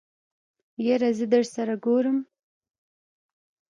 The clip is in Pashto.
يره زه درسره ګورم.